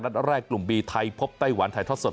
แรกกลุ่มบีไทยพบไต้หวันถ่ายทอดสด